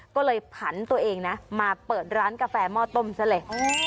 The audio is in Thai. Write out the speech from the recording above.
ก็เลยผันตัวเองนะมาเปิดร้านกาแฟหม้อต้มซะเลย